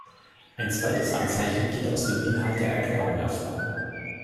Ein zweites Anzeichen geht aus dem Inhalt der Erklärung hervor.